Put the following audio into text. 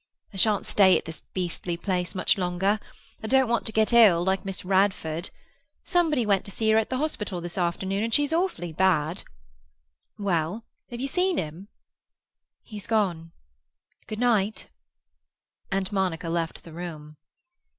I shan't stay at this beastly place much longer. I don't want to get ill, like Miss Radford. Somebody went to see her at the hospital this afternoon, and she's awfully bad. Well, have you seen him?" "He's gone. Good night." And Monica left the room.